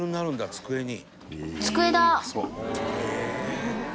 机に」